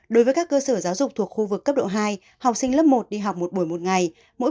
đối với các cơ sở giáo dục thuộc khu vực cấp độ hai học sinh lớp một đi học một buổi một ngày